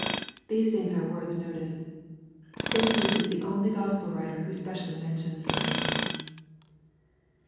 These things are worth notice. St Luke is the only Gospel writer who specially mentions them.